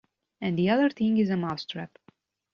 And the other thing is a mouse-trap.